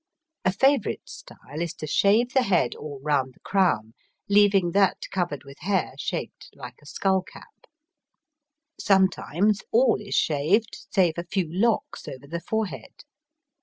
A favourite style is to shave the head all round the crown, leaving that covered with hair shaped like a skull cap. Sometimes all is shaved save a few locks over the forehead.